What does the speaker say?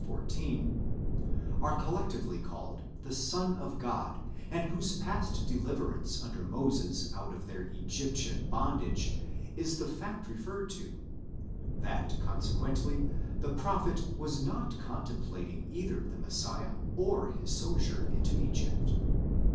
14), are collectively called the Son of God, and whose past deliverance under Moses out of their Egyptian bondage is the fact referred to: that consequently, the prophet was not contemplating either the Messiah or his sojourn in Egypt.